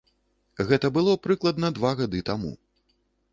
Гэта было прыкладна два гады таму.